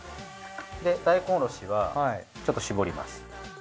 大根おろしはちょっと絞ります。